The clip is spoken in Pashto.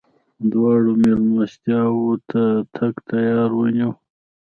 دواړو مېلمستیاوو ته د تګ تیاری ونیو.